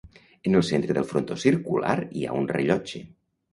En el centre del frontó circular hi ha un rellotge.